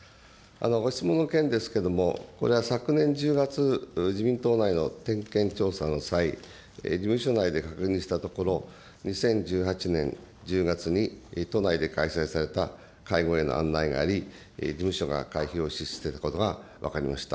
ご質問の件ですけども、これは昨年１０月、自民党内の点検調査の際、事務所内で確認したところ、２０１８年１０月に、都内で開催された会合への案内があり、事務所が会費を支出していたことが分かりました。